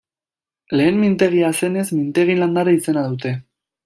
Lehen mintegia zenez, mintegi-landare izena dute.